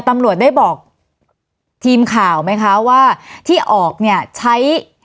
ตำรวจได้บอกทีมข่าวไหมคะว่าที่ออกเนี่ยใช้